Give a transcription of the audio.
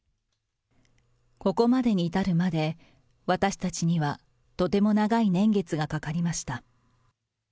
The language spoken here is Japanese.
ここまでに至るまで、私たちにはとても長い年月がかかりました。